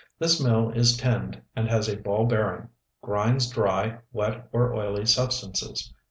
00 This mill is tinned and has a ball bearing. Grinds dry, wet or oily substances.